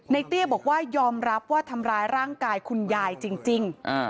เตี้ยบอกว่ายอมรับว่าทำร้ายร่างกายคุณยายจริง